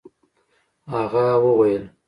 هغه وويل.